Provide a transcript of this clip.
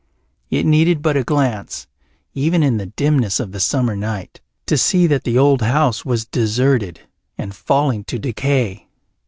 It needed but a glance, even in the dimness of the summer night, to see that the old house was deserted and falling to decay.